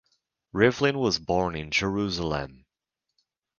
Rivlin was born in Jerusalem.